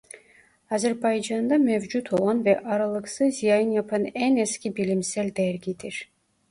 Azerbaycan'da mevcut olan ve aralıksız yayın yapan en eski bilimsel dergidir.